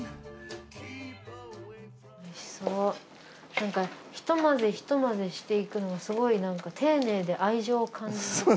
なんかひと混ぜひと混ぜしていくのがすごいなんか丁寧で愛情を感じます。